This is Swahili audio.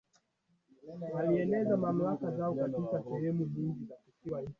Akiwa na umri wa miaka tisini tangu kuzaliwa kwake